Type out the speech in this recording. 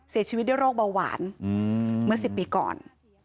เสียชีวิตด้วยโรคเบาหวานเมื่อ๑๐ปีก่อน